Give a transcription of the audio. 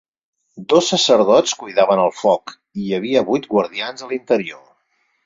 Dos sacerdots cuidaven el foc, i hi havia vuit guardians a l'interior.